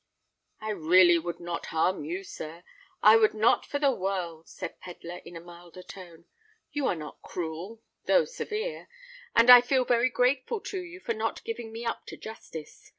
"I really would not harm you, sir—I would not for the world," said Pedler, in a milder tone. "You are not cruel—though severe; and I feel very grateful to you for not giving me up to justice.